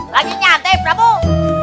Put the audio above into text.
lagi nyantai prabowo